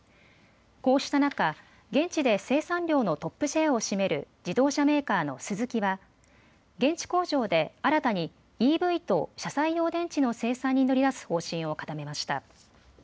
こうした中、現地で生産量のトップシェアを占める自動車メーカーのスズキは現地工場で新たにＥＶと車載用電池の生産に乗り出す方針を固めました。